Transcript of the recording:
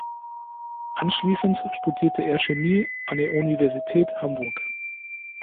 Anschließend studierte er Chemie an der Universität Hamburg.